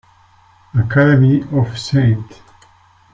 Academy of St.